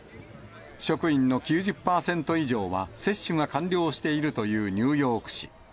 職員の９０％以上は、接種が完了しているというニューヨーク市。